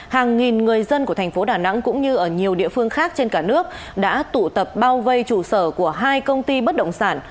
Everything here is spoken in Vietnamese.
hàng nghìn người dân của thành phố đà nẵng cũng như ở nhiều địa phương khác trên cả nước đã tụ tập bao vây trụ sở của hai công ty bất động sản